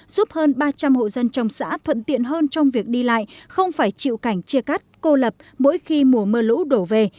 giúp hơn ba trăm linh hộ dân trong xã thuận tiện hơn trong việc đi lại không phải chịu cảnh chia cắt cô lập mỗi khi mùa mưa lũ đổ về